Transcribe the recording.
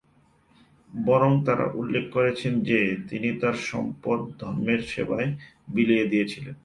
বরং তারা উল্লেখ করেছেন যে তিনি তার সম্পদ ধর্মের সেবায় বিলিয়ে দিয়েছেন।